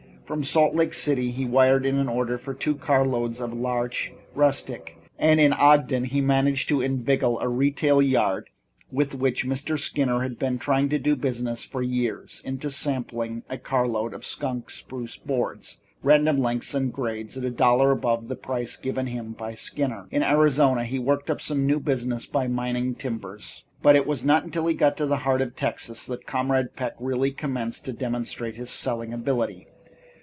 From Salt Lake City he wired an order for two carloads of larch rustic and in Ogden he managed to inveigle a retail yard with which Mr. Skinner had been trying to do business for years, into sampling a carload of skunk spruce boards, random lengths and grades, at a dollar above the price given him by Skinner. In Arizona he worked up some new business in mining timbers, but it was not until he got into the heart of Texas that Comrade Peck really commenced to demonstrate his selling ability.